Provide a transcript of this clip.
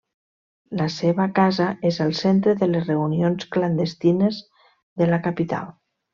La seva casa és el centre de les reunions clandestines de la capital.